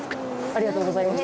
ありがとうございます。